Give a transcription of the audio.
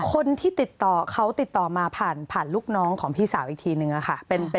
คนที่ติดต่อเขาติดต่อมาผ่านผ่านลูกน้องของพี่สาวอีกทีนึงค่ะ